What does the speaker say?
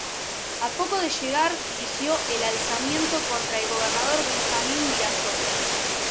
A poco de llegar dirigió el alzamiento contra el gobernador Benjamín Virasoro.